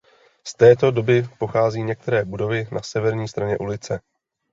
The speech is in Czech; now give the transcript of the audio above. Z této doby pocházejí některé budovy na severní straně ulice.